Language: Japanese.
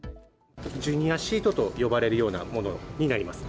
ジュニアシートと呼ばれるようなものになります。